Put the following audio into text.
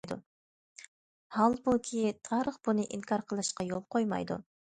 ھالبۇكى، تارىخ بۇنى ئىنكار قىلىشقا يول قويمايدۇ.